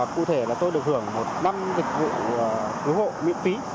cụ thể là tôi được hưởng một năm dịch vụ cứu hộ miễn phí